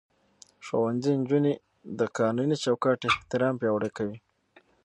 ښوونځی نجونې د قانوني چوکاټ احترام پياوړې کوي.